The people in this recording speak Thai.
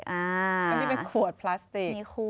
ก็มีเป็นขวดพลาสติก